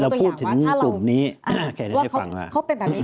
เราพูดถึงกลุ่มนี้เขาเป็นแบบนี้